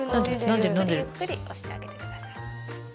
ゆっくりゆっくり押してあげてください。